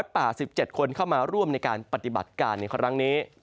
ป่า๑๗คนเข้ามาร่วมในการปฏิบัติการในครั้งนี้